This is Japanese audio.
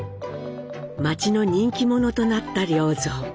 町の人気者となった良三。